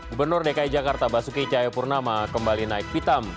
gubernur dki jakarta basuki cayo purnama kembali naik pitam